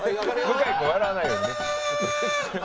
向井君笑わないようにね。